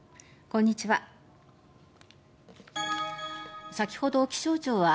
こんにちは。